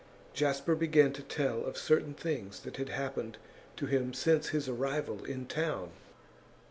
Jasper began to tell of certain things that had happened to him since his arrival in town.